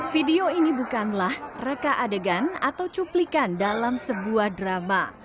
video ini bukanlah reka adegan atau cuplikan dalam sebuah drama